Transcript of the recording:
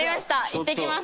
行ってきます